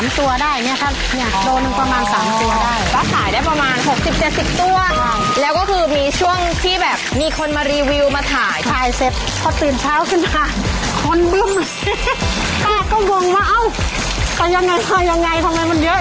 เอ้ายังไงทำไมมันเยอะอย่างนี้